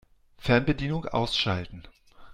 Fernbedienung ausschalten.